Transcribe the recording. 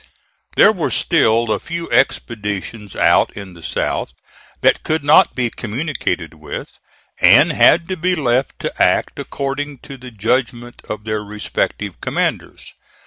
There were still a few expeditions out in the South that could not be communicated with, and had to be left to act according to the judgment of their respective commanders.